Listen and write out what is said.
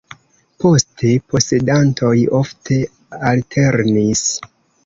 Poste posedantoj ofte alternis.